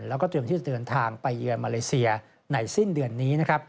แล้วก็เตรียมที่จะเดินทางไปเยือนมาเลเซียในสิ้นเดือนนี้นะครับ